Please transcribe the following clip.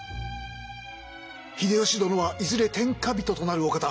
秀吉殿はいずれ天下人となるお方。